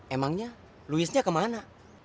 emangnya louisnya kemana